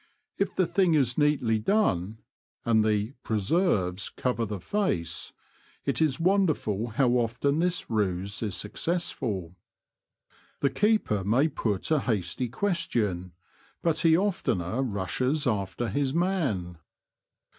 If the thing is neatly done^ and the '' preserves " cover the face, it is wonderful how often this ruse is successful. The keeper may put a hasty question, but he oftener rushes after his man.